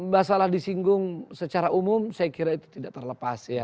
masalah disinggung secara umum saya kira itu tidak terlepas ya